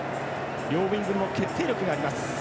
両ウイングも決定力があります。